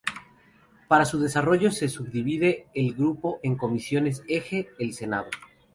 Para su desarrollo se subdivide el grupo en comisiones eje, el senado.